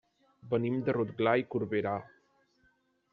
Venim de Rotglà i Corberà.